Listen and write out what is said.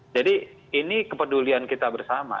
jadi ini kepedulian kita bersama